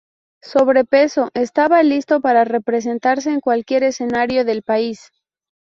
Sobrepeso estaba listo para presentarse en cualquier escenario del país.